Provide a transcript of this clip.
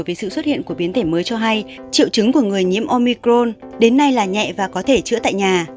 về sự xuất hiện của biến thể mới cho hay triệu chứng của người nhiễm omicron đến nay là nhẹ và có thể chữa tại nhà